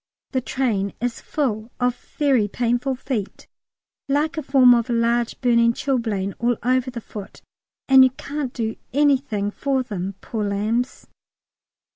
The train is full of very painful feet: like a form of large burning chilblain all over the foot, and you can't do anything for them, poor lambs.